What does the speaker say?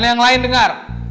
dan yang lain dengar